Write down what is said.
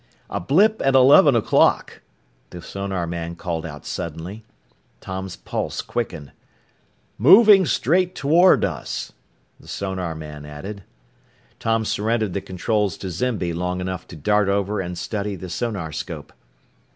"A blip at eleven o'clock!" the sonarman called out suddenly. Tom's pulse quickened. "Moving straight toward us," the sonarman added. Tom surrendered the controls to Zimby long enough to dart over and study the sonarscope.